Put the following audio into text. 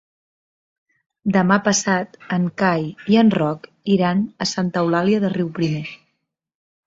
Demà passat en Cai i en Roc iran a Santa Eulàlia de Riuprimer.